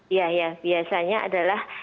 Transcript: iya iya biasanya adalah